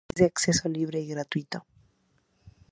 Es de acceso libre y gratuito.